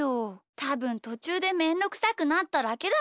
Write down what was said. たぶんとちゅうでめんどくさくなっただけだよ。